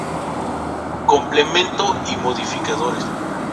Complemento y modificadores.